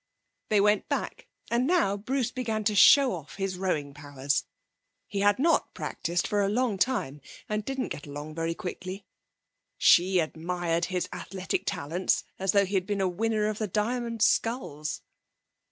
They went back, and now Bruce began to show off his rowing powers. He had not practised for a long time, and didn't get along very quickly. She admired his athletic talents, as though he had been a winner of the Diamond Sculls.